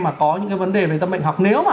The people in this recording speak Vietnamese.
mà có những cái vấn đề về tâm bệnh học nếu mà